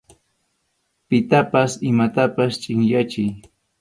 Pitapas imatapas chʼinyachiy.